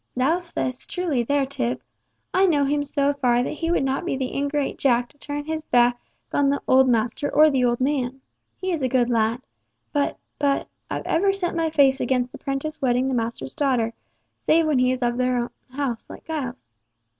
"Thou sayst truly there, Tib. I know him so far that he would not be the ingrate Jack to turn his back on the old master or the old man. He is a good lad. But—but—I've ever set my face against the prentice wedding the master's daughter, save when he is of her own house, like Giles.